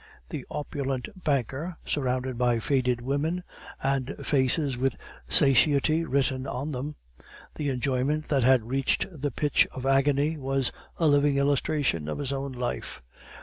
The opulent banker, surrounded by faded women, and faces with satiety written on them, the enjoyment that had reached the pitch of agony, was a living illustration of his own life.